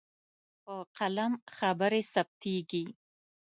په قلم خبرې ثبتېږي.